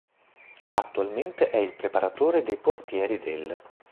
Attualmente è il preparatore dei portieri del